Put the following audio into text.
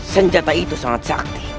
senjata itu sangat sakti